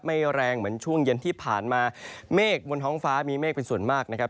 ไม่แรงเหมือนช่วงเย็นที่ผ่านมาเมฆบนท้องฟ้ามีเมฆเป็นส่วนมากนะครับ